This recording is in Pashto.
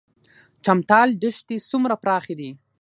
چمتال دښتې څومره پراخې دي؟